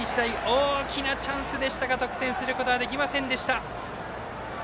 大きなチャンスでしたが得点することはできませんでした。